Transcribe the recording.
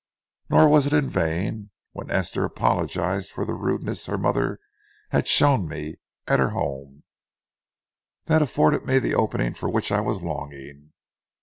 Nor was it in vain. When Esther apologized for the rudeness her mother had shown me at her home, that afforded me the opening for which I was longing.